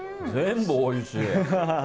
全部おいしい。